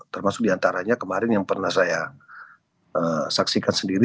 termasuk diantaranya kemarin yang pernah saya saksikan sendiri